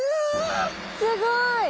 すごい！